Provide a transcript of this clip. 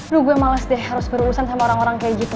lu gue males deh harus berurusan sama orang orang kayak gitu